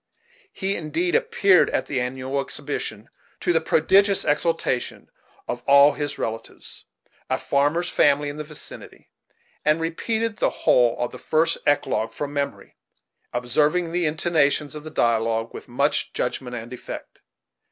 He, indeed, appeared at the annual exhibition, to the prodigious exultation of all his relatives, a farmer's family in the vicinity, and repeated the whole of the first eclogue from memory, observing the intonations of the dialogue with much judgment and effect.